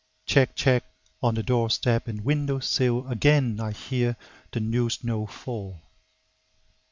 "Tsek, tsek" on the door step and window sill Again I hear the new snow fall.